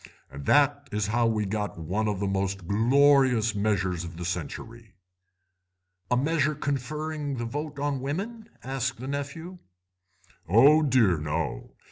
And that is how we got one of the most glorious measures of the century." "A measure conferring the vote on women?" asked the nephew. "Oh dear, no.